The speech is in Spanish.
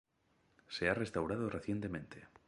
Se ha restaurado recientemente.